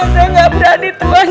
saya gak berani tuhan